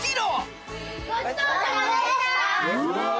うわ！